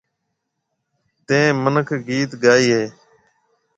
تين مِنک گِيت گائي هيَ۔